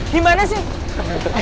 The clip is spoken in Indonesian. di mana sih